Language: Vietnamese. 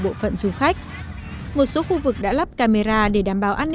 vô tình trở thành những điểm nhấn xấu xí